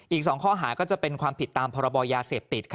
อีก๒ข้อหาก็จะเป็นความผิดตามพรบยาเสพติด